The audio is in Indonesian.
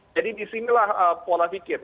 jadi di sinilah pola pikir